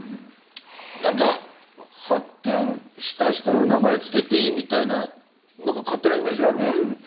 なんか発見した人の名前つけていいみたいななんか勝手なイメージあるんですけど。